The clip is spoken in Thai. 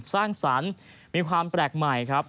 สร้างสรรค์มีความแปลกใหม่ครับ